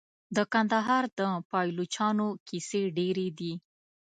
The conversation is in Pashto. د کندهار د پایلوچانو کیسې ډیرې دي.